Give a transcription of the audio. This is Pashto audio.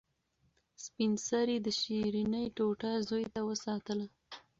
سپین سرې د شیرني ټوټه زوی ته وساتله.